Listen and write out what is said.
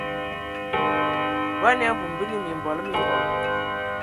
Bɔn ya abum, bə nə mimbɔl mimbɔl.